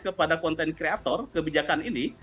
kepada content creator kebijakan ini